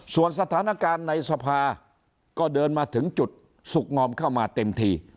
ส่วนสถานการณ์ในสภาก็เดินมาถึงจุดสุขงอมเข้ามาเต็มที